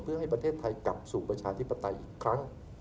เพื่อให้ประเทศไทยกลับสู่ประชาธิปไตยอีกครั้ง